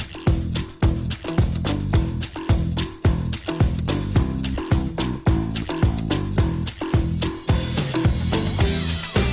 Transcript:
สวัสดีครับทุกคน